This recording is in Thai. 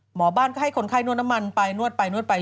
หมอบ้านก็ให้คนไข้นวดน้ำมันไปนวดไปนวดไป